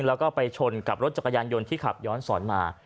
แล้วก็ไปชนกับรถจักรยานยนต์ที่ขับย้อนสอนมา